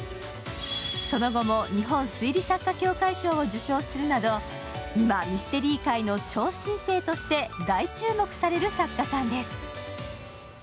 その後も日本推理作家協会賞を受賞するなど今、ミステリー界の超新星として大注目される作家さんです。